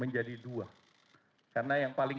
jadi dua karena yang paling